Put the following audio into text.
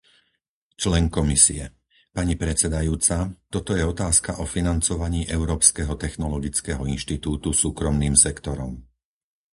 člen Komisie. - Pani predsedajúca, toto je otázka o financovaní Európskeho technologického inštitútu súkromným sektorom.